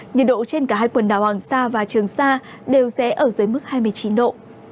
nhiệt độ trên cả hai quần đảo hoàng sa và trường sa đều sẽ ở dưới mức hai mươi chín độ